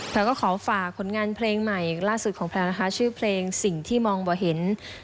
ก็ขอฝากผลงานเพลงใหม่ล่าสุดของแพลวนะคะชื่อเพลงสิ่งที่มองบ่เห็น